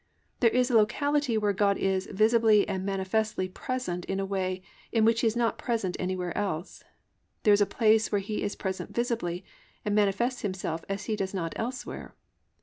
There is a locality where God is visibly and manifestly present in a way in which He is not present anywhere else. There is a place where He is present visibly and manifests Himself as He does not elsewhere.